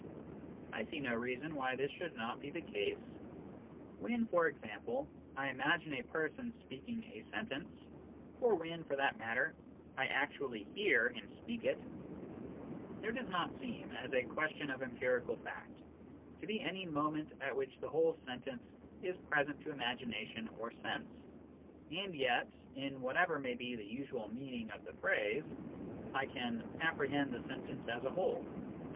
I see no reason why this should not be the case. When, for example, I imagine a person speaking a sentence, or when, for that matter, I actually hear him speak it, there does not seem, as a question of empirical fact, to be any moment at which the whole sentence is present to imagination or sense, and yet, in whatever may be the usual meaning of the phrase, I can " apprehend the sentence as ,a whole."